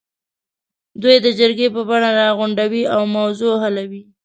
دوی د جرګې په بڼه راغونډوي او موضوع حلوي.